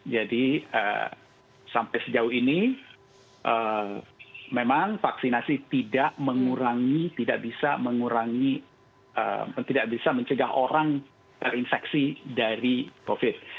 jadi sampai sejauh ini memang vaksinasi tidak mengurangi tidak bisa mengurangi tidak bisa mencegah orang terinfeksi dari covid